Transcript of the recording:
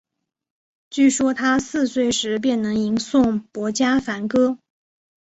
据说他四岁时便能吟诵薄伽梵歌。